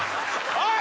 おい！